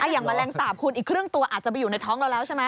แมลงสาปคุณอีกครึ่งตัวอาจจะไปอยู่ในท้องเราแล้วใช่ไหม